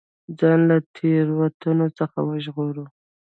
ځان له تېروتنو څخه وژغورو.